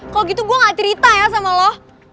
kalau gitu gue gak cerita ya sama lo